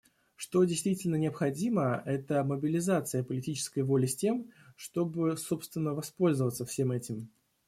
Что действительно необходимо — это мобилизация политической воли с тем, чтобы, собственно, воспользоваться всем этим.